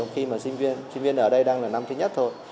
khi mà sinh viên ở đây đang là năm thứ nhất thôi